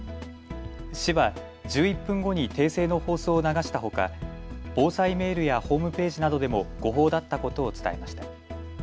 市は１１分後に訂正の放送を流したほか、防災メールやホームページなどでも誤報だったことを伝えました。